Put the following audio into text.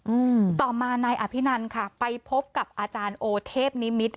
อืมต่อมานายอภินันค่ะไปพบกับอาจารย์โอเทพนิมิตร